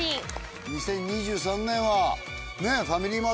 ２０２３年はねえファミリーマート